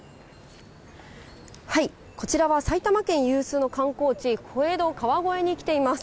こちらは埼玉県有数の観光地、小江戸、川越に来ています。